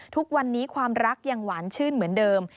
ทุกวันนี้ความรักยังหวานชื่นเหมือนเดิม